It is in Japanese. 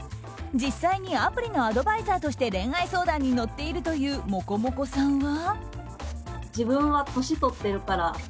実際にアプリのアドバイザーとして恋愛相談に乗っているというもこもこさんは。